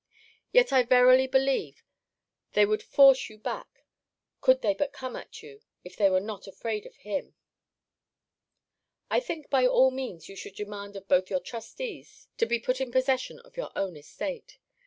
Yet I verily believe, they would force you back, could they but come at you, if they were not afraid of him. I think, by all means, you should demand of both your trustees to be put in possession of your own estate.